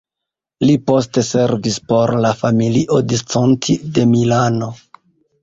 Li poste servis por la familio Visconti de Milano.